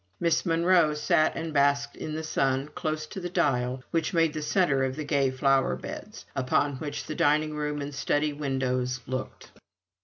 Miss Monro sat and basked in the sun, close to the dial, which made the centre of the gay flower beds, upon which the dining room and study windows looked.